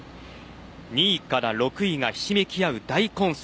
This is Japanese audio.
２位から６位がひしめき合う大混戦。